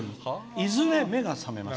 いずれ目が覚めます。